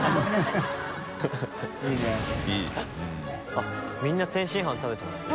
あっみんな天津飯食べてますね。